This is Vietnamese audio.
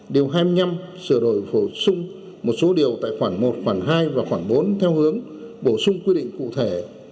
điều hai mươi năm sửa đổi bổ sung một số điều tại khoản một khoản hai và khoảng bốn theo hướng bổ sung quy định cụ thể